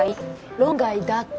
論外だって。